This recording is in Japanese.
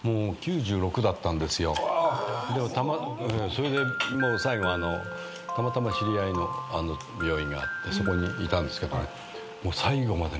それでもう最後たまたま知り合いの病院があってそこにいたんですけどね。